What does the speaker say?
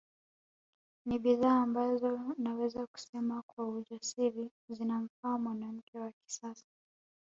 Ni bidhaa ambazo naweza kusema kwa ujasiri zinamfaa mwanamke wa kisasa